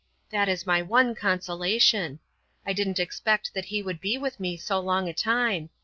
That is my one consolation. I didn't expect that he would be with me so long a time.